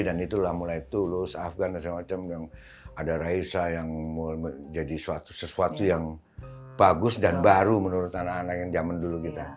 dan itulah mulai tulus afgan dan segala macam yang ada raisa yang mau jadi sesuatu yang bagus dan baru menurut anak anak yang jaman dulu gitu